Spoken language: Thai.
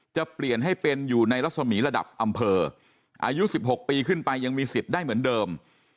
จะเปลี่ยนให้เป็นอยู่ในรัศมีระดับอำเภออายุ๑๖ปีขึ้นไปยังมีสิทธิ์ได้เหมือนเดิม